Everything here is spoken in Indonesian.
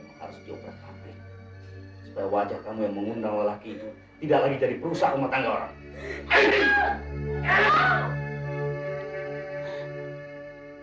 kamu harus jawab berat berat supaya wajah kamu yang mengundang lelaki itu tidak lagi jadi perusahaan rumah tangga orang